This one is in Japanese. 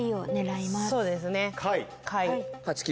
そうですね下位。